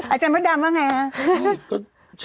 อาจารย์มดดำว่าไงฮะ